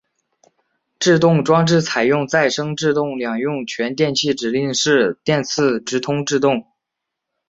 制动装置采用再生制动两用全电气指令式电磁直通制动。